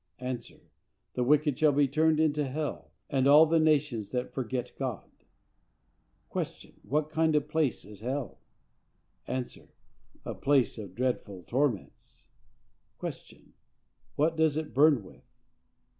—A. "The wicked shall be turned into hell, and all the nations that forget God." Q. What kind of a place is hell?—A. A place of dreadful torments. Q. What does it burn with?